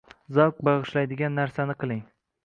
Zavq bag'ishlaydigan narsani qiling